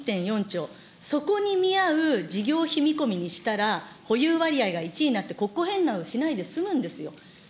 基金残高１．４兆、そこに見合う事業費見込みにしたら、保有割合が１になって国庫返納しないで済むんですよ。